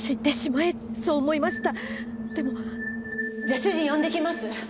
じゃあ主人呼んできます。